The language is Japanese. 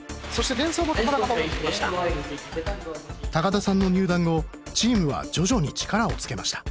田さんの入団後チームは徐々に力をつけました。